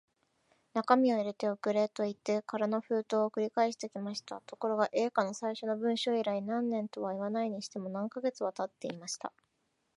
中身を入れて送れ、といって空の封筒を送り返してきました。ところが、Ａ 課の最初の文書以来、何年とはいわないにしても、何カ月かはたっていました。